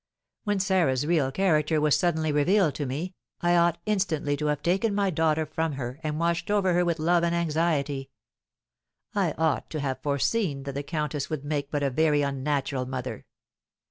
When Sarah's real character was suddenly revealed to me, I ought instantly to have taken my daughter from her, and watched over her with love and anxiety. I ought to have foreseen that the countess would make but a very unnatural mother.